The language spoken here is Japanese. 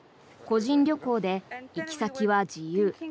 個人旅行で行き先は自由。